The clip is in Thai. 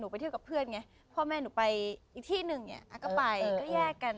ไปเที่ยวกับเพื่อนไงพ่อแม่หนูไปอีกที่หนึ่งเนี่ยก็ไปก็แยกกัน